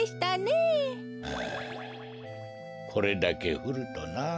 あこれだけふるとなあ。